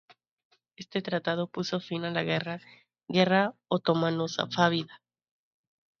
Este tratado puso fin a la guerra guerra otomano-safávida.